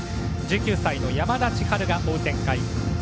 １９歳の山田千遥が追う展開。